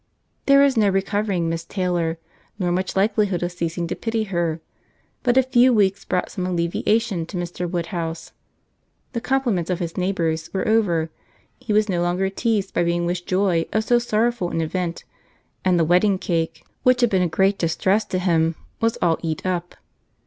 There was no recovering Miss Taylor—nor much likelihood of ceasing to pity her; but a few weeks brought some alleviation to Mr. Woodhouse. The compliments of his neighbours were over; he was no longer teased by being wished joy of so sorrowful an event; and the wedding cake, which had been a great distress to him, was all eat up.